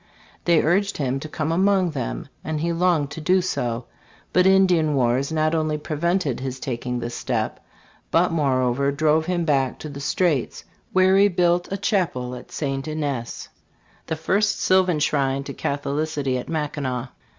They urged him to come among them, and he longed to do so ; but Indian wars not only prevented his taking this step but moreover drove him back to the Straits ; where he built a chapel, at St. Ignace, " the first sylvan shrine to Catholicity at Mackinaw.'